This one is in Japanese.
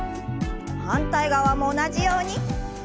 反対側も同じように。